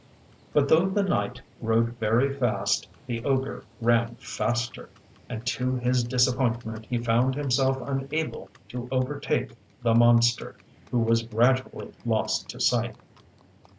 But though the knight rode very fast the ogre ran faster, and to his disappointment he found himself unable to overtake the monster, who was gradually lost to sight.